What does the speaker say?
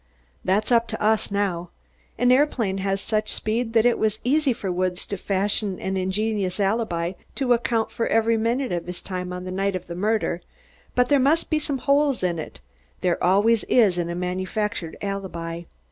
"That's up to us now. An aeroplane has such speed that it was easy for Woods to fashion an ingenious alibi to account for every minute of his time on the night of the murder, but there must be some holes in it; there always is in a manufactured alibi.